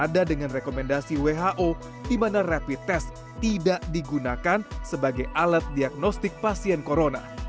dengan rekomendasi who dimana rapid test tidak digunakan sebagai alat diagnostik pasien corona